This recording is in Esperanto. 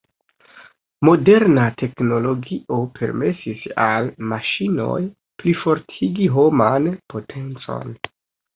Moderna teknologio permesis al maŝinoj plifortigi homan potencon.